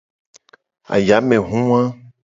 Ayamehu wa.